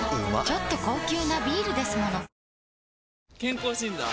ちょっと高級なビールですもの健康診断？